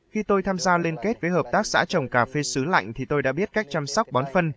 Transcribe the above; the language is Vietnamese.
khi tôi tham gia liên kết với hợp tác xã trồng cà phê sứ lạnh thì tôi đã biết cách chăm sóc bón phân